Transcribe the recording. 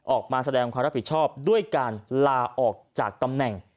ออกมาแสดงความรับผิดชอบด้วยการลาออกจากตำแหน่ง